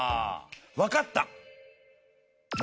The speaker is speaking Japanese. わかった！